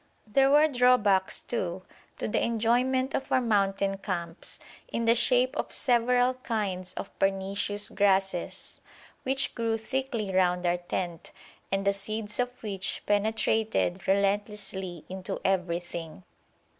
There were drawbacks, too, to the enjoyment of our mountain camps in the shape of several kinds of pernicious grasses, which grew thickly round our tent, and the seeds of which penetrated relentlessly into everything.